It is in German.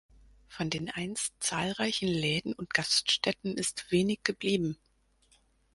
Von den einst zahlreichen Läden und Gaststätten ist wenig geblieben.